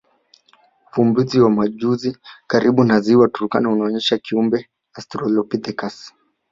Uvumbuzi wa majuzi karibu na Ziwa Turkana unaonyesha kiumbe Australopithecus